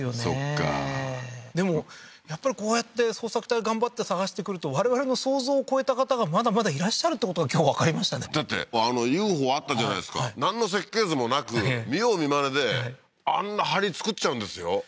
そっかでもやっぱりこうやって捜索隊が頑張って探してくると我々の想像を超えた方がまだまだいらっしゃるってことが今日わかりましたねだってあのＵＦＯあったじゃないですかなんの設計図もなく見よう見まねであんなはり造っちゃうんですよ